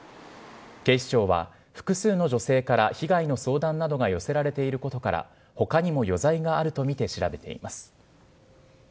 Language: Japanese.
警視庁は複数の女性から被害の相談などが寄せられていることから、ほかにも余罪があると見て調べています。